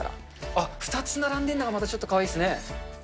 あっ、２つ並んでいるのがちょっとかわいいっすね。